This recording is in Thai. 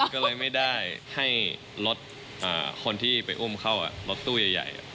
ก็เลยไม่ได้ให้รถคนที่ไปอุ้มเข้ารถตู้ใหญ่